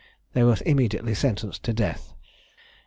They were immediately sentenced to death.